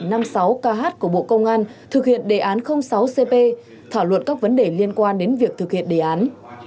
năm sáu kh của bộ công an thực hiện đề án sáu cp thảo luận các vấn đề liên quan đến việc thực hiện đề án